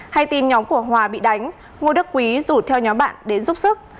hay tin nhóm của hòa bị đánh ngô đức quý rủ theo nhóm bạn đến giúp sức